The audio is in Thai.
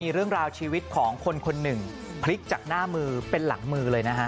มีเรื่องราวชีวิตของคนคนหนึ่งพลิกจากหน้ามือเป็นหลังมือเลยนะฮะ